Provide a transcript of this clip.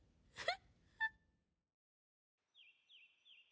えっ？